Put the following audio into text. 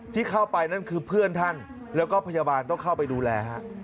ที่เข้าไปนั่นคือเพื่อนท่านแล้วก็พยาบาลต้องเข้าไปดูแลฮะ